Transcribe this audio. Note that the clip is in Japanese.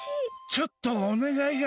ちょっとお願いが。